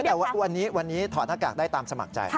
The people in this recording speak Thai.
แต่ว่าวันนี้วันนี้ถอดหน้ากากได้ตามสมัครใจ